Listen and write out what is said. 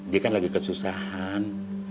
dia kan lagi kesuksahan